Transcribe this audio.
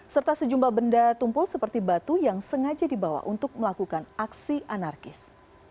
serta sejumlah benda tumpul seperti batu yang sengaja dibawa untuk melakukan aksi anarkis